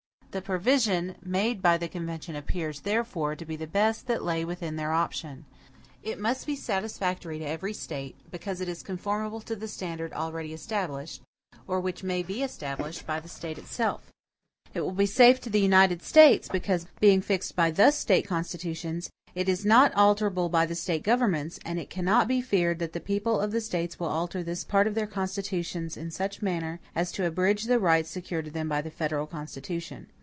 The provision made by the convention appears, therefore, to be the best that lay within their option. It must be satisfactory to every State, because it is conformable to the standard already established, or which may be established, by the State itself. It will be safe to the United States, because, being fixed by the State constitutions, it is not alterable by the State governments, and it cannot be feared that the people of the States will alter this part of their constitutions in such a manner as to abridge the rights secured to them by the federal Constitution.